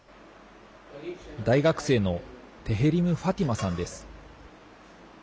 大学生のテへリム・ファティマさんです。